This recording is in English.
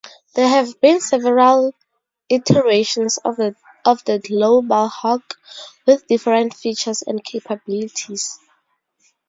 There have been several iterations of the Global Hawk with different features and capabilities.